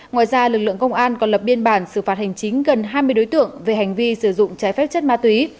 ngoài ra lực lượng công an còn lập biên bản xử phạt hành chính gần hai mươi đối tượng về hành vi sử dụng trái phép chất ma túy